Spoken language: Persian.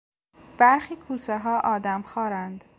برخی کوسه ها آدمخوارند.